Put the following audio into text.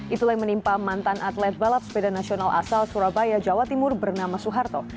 itulah yang menimpa mantan atlet balap sepeda nasional asal surabaya jawa timur bernama soeharto